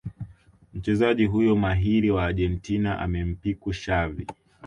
Mchezaji huyo mahiri wa Argentina amempiku Xavi